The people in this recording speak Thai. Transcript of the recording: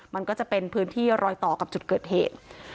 มันก็จะเป็นพื้นที่รอยต่อกับจุดเกิดเหตุ